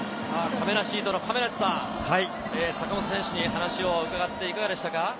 かめなシートの亀梨さん、坂本選手に話を伺っていかがでしたか？